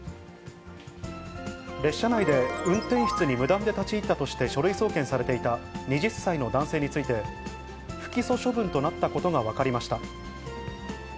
列車内で運転室に無断で立ち入ったとして、書類送検されていた２０歳の男性について、不起訴処分となったことが分かりました。